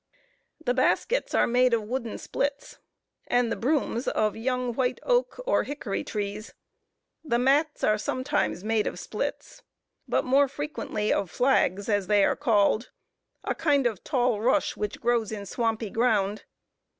The baskets are made of wooden splits, and the brooms of young white oak or hickory trees. The mats are sometimes made of splits, but more frequently of flags, as they are called a kind of tall rush, which grows in swampy ground.